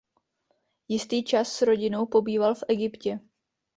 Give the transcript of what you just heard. Jistý čas s rodinou pobýval v Egyptě.